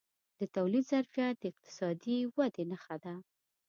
د تولید ظرفیت د اقتصادي ودې نښه ده.